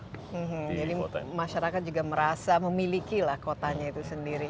jadi masyarakat juga merasa memiliki lah kotanya itu sendiri